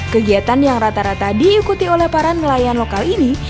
kegiatan yang rata rata diikuti oleh para nelayan lokal ini